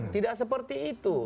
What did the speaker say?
tidak seperti itu